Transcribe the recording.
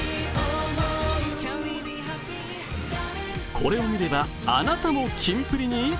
これを見れば、あなたもキンプリに！？